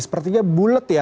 sepertinya bulet ya